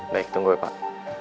baik tunggu ya pak